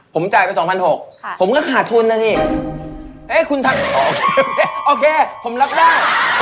ผมจ่ายไป๒๖๐๐บาทผมก็ขาดทุนแล้วนี่เอ๊ะคุณถาดโอเคผมรับได้